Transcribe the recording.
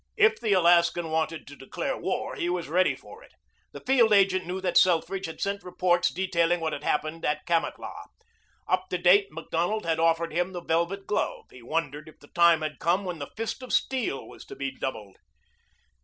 If the Alaskan wanted to declare war he was ready for it. The field agent knew that Selfridge had sent reports detailing what had happened at Kamatlah. Up to date Macdonald had offered him the velvet glove. He wondered if the time had come when the fist of steel was to be doubled.